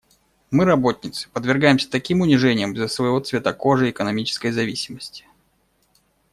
Мы, работницы, подвергаемся таким унижениям из-за своего цвета кожи и экономической зависимости.